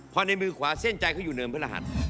พอในมือขวาเส้นใจเขาอยู่เนินพระรหัส